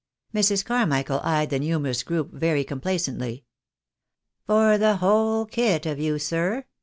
Mrs. Carmichael eyed the numerous group very complacently. " For the whole kit of you, sir